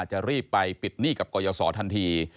จะรีบไปปิดหนี้กับกรยศทันที